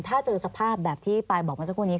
ถ้าเจอสภาพแบบที่ปลายบอกมาสักวันนี้